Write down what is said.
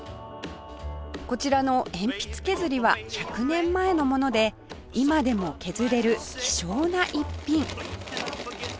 こちらの鉛筆削りは１００年前のもので今でも削れる希少な逸品